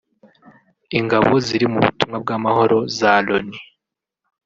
ingabo ziri mu butumwa bw’amahoro za Loni